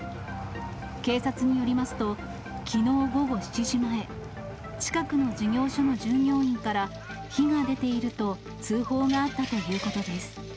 警察によりますと、きのう午後７時前、近くの事業所の従業員から、火が出ていると通報があったということです。